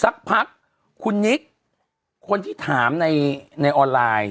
สักพักคุณนิกคนที่ถามในออนไลน์